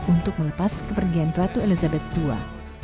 untuk melepas kepergian ratu elizabeth ii